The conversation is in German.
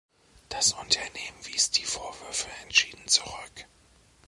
Das Unternehmen wies die Vorwürfe entschieden zurück.